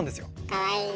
かわいい。